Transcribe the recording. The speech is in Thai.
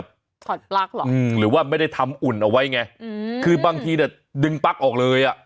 ถอดปลั๊กหรอกอืมหรือว่าไม่ได้ทำอุ่นเอาไว้ไงอืมคือบางทีน่ะดึงปลั๊กออกเลยอ่ะ